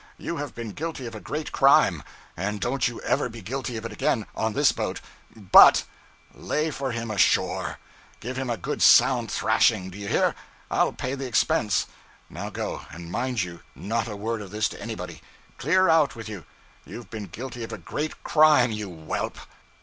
You have been guilty of a great crime; and don't you ever be guilty of it again, on this boat. But lay for him ashore! Give him a good sound thrashing, do you hear? I'll pay the expenses. Now go and mind you, not a word of this to anybody. Clear out with you! you've been guilty of a great crime, you whelp!'